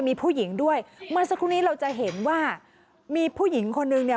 มีผู้หญิงด้วยเมื่อสักครู่นี้เราจะเห็นว่ามีผู้หญิงคนนึงเนี่ย